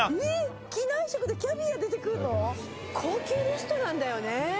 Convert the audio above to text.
機内食でキャビア出てくんの⁉高級レストランだよね。